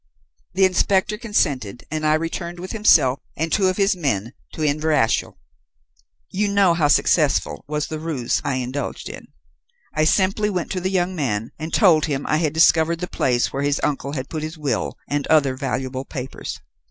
The inspector consented, and I returned, with himself and two of his men, to Inverashiel. You know how successful was the ruse I indulged in. I simply went to the young man, and told him I had discovered the place where his uncle had put his will and other valuable papers.